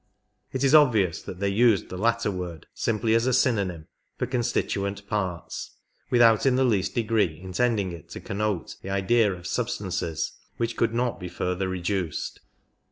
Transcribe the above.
It is obvious that they used the latter word simply as a synonym for constituent parts," without in the least degree intending it to connote the idea of substances which could not be further reduced.